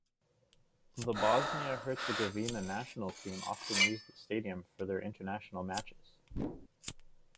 The Bosnia-Herzegovina national team often use the stadium for their international matches.